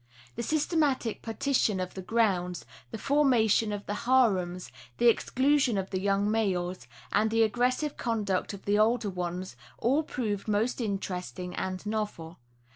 The sys tematic partition of the grounds, the formation of the harems, the exclusion of the young males, and the aggressive conduct of the older ones, all proved most interesting and novel.